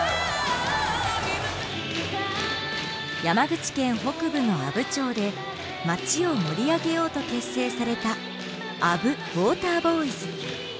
山口県北部の阿武町でまちを盛り上げようと結成されたＡＢＵウォーターボーイズ。